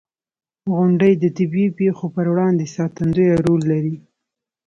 • غونډۍ د طبعي پېښو پر وړاندې ساتندوی رول لري.